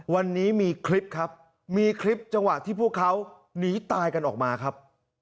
วันนี้มีคลิปครับมีคลิปจังหวะที่พวกเขาหนีตายกันออกมาครับ